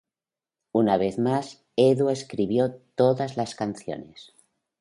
Una vez más, Edu escribió todas las canciones.